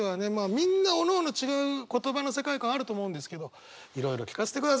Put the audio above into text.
みんなおのおの違う言葉の世界観あると思うんですけどいろいろ聞かせてください。